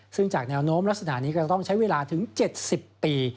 ซึ่งจากแนวโน้มลักษณะนี้ก็จะต้องใช้เวลาถึง๗๐ปี